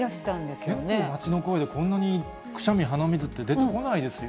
結構、街の声でこんなにくしゃみ、鼻水って出てこないですよ。